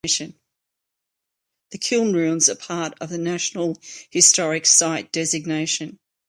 The kiln ruins are part of the National Historic Site designation.